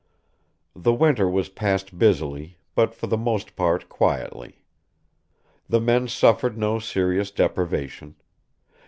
The winter was passed busily, but for the most part quietly. The men suffered no serious deprivation.